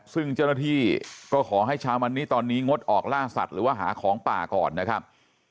ซึ่งเจ้าหน้าที่ก็ขอให้เช้าวันนี้ตอนนี้งดออกล่าสัตว์หรือว่าหาของป่าก่อนนะครับ